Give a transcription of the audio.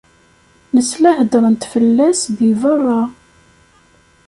Nesla hedren-d fell-as deg berra.